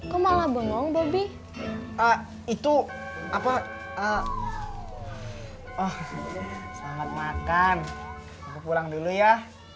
kok malah bengong bobby itu apa oh selamat makan pulang dulu ya